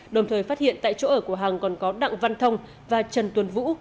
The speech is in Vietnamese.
đồng thời phát hiện tại chỗ ở của hằng còn có đặng văn thông và trần tuấn vũ